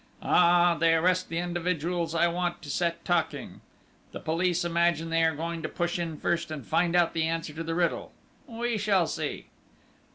"Ah! They arrest the individuals I want to set talking!... The police imagine they are going to push in first and find out the answer to the riddle!... We shall see!"